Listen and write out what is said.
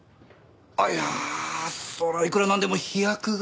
いやあそれはいくらなんでも飛躍が。